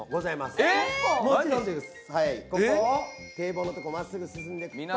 はいここを堤防のとこ真っすぐ進んでいくと。